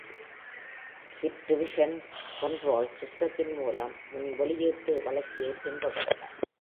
Kit revision control சிஸ்டத்தின் மூலம் முன்வெளியிட்டு வளர்ச்சியை பின்தொடரலாம்.